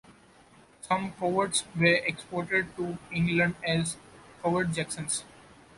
Some Coverts were exported to England as Covert-Jacksons.